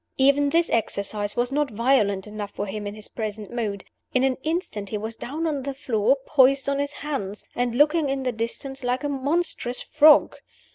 Even this exercise was not violent enough for him in his present mood. In an instant he was down on the floor, poised on his hands, and looking in the distance like a monstrous frog.